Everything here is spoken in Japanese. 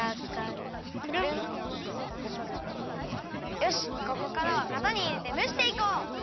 よしここからはかたにいれてむしていこう！